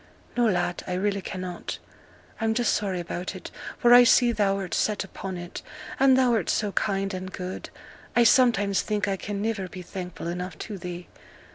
'No, lad, I really cannot. I'm just sorry about it, for I see thou'rt set upon it; and thou'rt so kind and good, I sometimes think I can niver be thankful enough to thee.